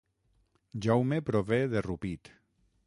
Jaume prové de Rupit